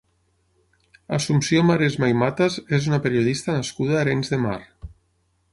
Assumpció Maresma i Matas és una periodista nascuda a Arenys de Mar.